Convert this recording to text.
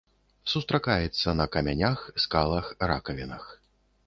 Сустракаецца на камянях, скалах, ракавінах.